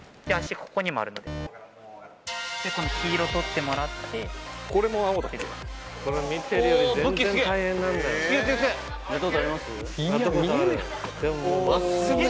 ここにもあるのででこの黄色取ってもらってこれも青だけどおおわっすげえ！